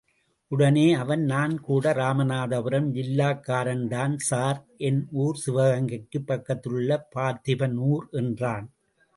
உடனே அவன் நான் கூட ராமநாதபுரம் ஜில்லாகாரன்தான் சார் என் ஊர் சிவகங்கைக்குப் பக்கத்திலுள்ள பார்த்திபனூர் என்றான்.